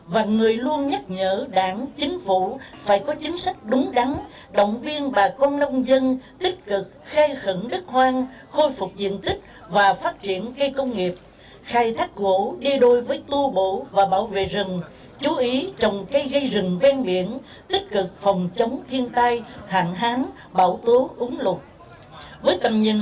và người luôn nhắc nhở đảng chính phủ phải có chính sách đúng đắn động viên bà con nông dân tích cực khai khẩn đất hoang